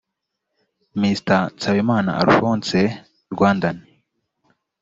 mr nsabimana alphonse rwandan